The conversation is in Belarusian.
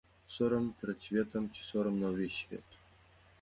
Сорам перад светам ці сорам на ўвесь свет!